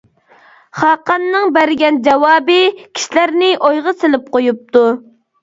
خاقاننىڭ بەرگەن جاۋابى كىشىلەرنى ئويغا سېلىپ قويۇپتۇ.